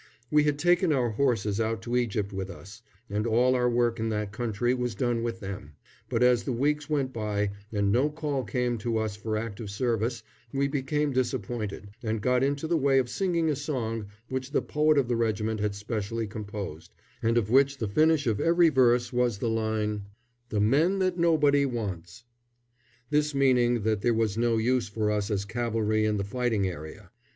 We had taken our horses out to Egypt with us, and all our work in that country was done with them; but as the weeks went by, and no call came to us for active service, we became disappointed, and got into the way of singing a song which the poet of the regiment had specially composed, and of which the finish of every verse was the line "The men that nobody wants," this meaning that there was no use for us as cavalry in the fighting area.